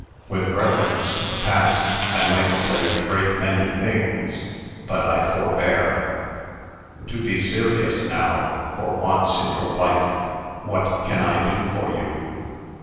With reference to the past, I might say a great many things, but I forbear. To be serious, now for once in your life what can I do for you?"